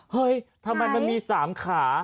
เฮ้ยทำไมมันมี๓ขา